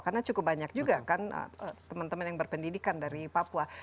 karena cukup banyak juga kan teman teman yang berpendidikan dari papua